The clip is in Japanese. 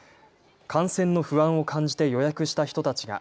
感染の不安を感じて予約した人たちが